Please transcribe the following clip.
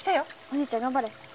お兄ちゃん頑張れ。